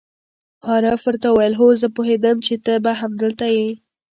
عارف ور ته وویل: هو، زه پوهېدم چې ته به همدلته یې.